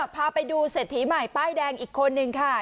พาไปดูเศรษฐีใหม่ป้ายแดงอีกคนนึงค่ะ